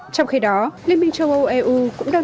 trong khi đó liên minh châu âu eu cũng đã đưa ra một lệnh ngừng bắn